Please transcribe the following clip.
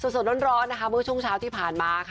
ส่วนเมื่อช่วงเช้าที่ผ่านมา